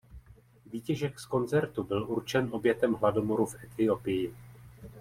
Výtěžek z koncertu byl určen obětem hladomoru v Etiopii.